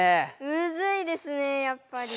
むずいですねやっぱり。